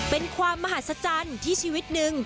เป็นความมหัศจรรย์ที่ชีวิตช่วยมากขึ้น